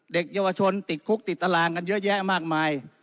เด็กเยาวชนติดคุกติดตารางกันเยอะแยะมากมาย